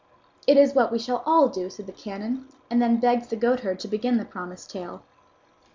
"It is what we shall all do," said the canon; and then begged the goatherd to begin the promised tale.